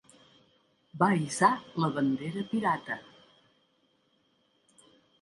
Va hissar la bandera pirata.